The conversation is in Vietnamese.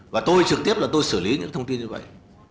và tôi trực tiếp là tôi xử lý những thông tin như vậy